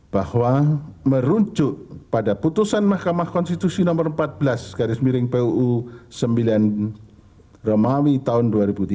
bahwa merujuk pada putusan mahkamah konstitusi nomor empat belas garis miring puu sembilan romawi tahun dua ribu tiga belas